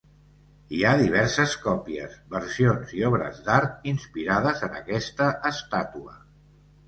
Hi ha diverses còpies, versions i obres d'art inspirades en aquesta estàtua.